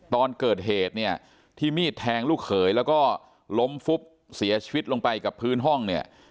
ตอนเกิดเหตุเนี่ยที่มีดแทงลูกเขยแล้วก็ล้มฟุบเสียชีวิตลงไปกับพื้นห้องเนี่ย